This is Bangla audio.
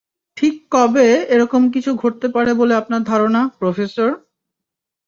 ঠিক কবে এরকম কিছু ঘটতে পারে বলে আপনার ধারণা, প্রফেসর?